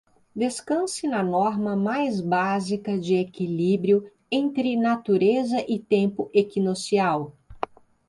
Descanse na norma mais básica de equilíbrio entre natureza e tempo equinocial.